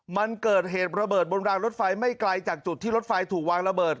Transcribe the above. มันเกิดเหตุระเบิดบนรางรถไฟไม่ไกลจากจุดที่รถไฟถูกวางระเบิด